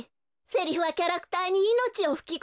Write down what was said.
セリフはキャラクターにいのちをふきこむのよ。